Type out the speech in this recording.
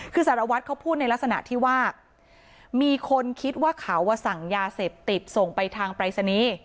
คือสารวัตรเขาพูดในลักษณะที่ว่ามีคนคิดว่าเขาสั่งยาเสพติดส่งไปทางปรายศนีย์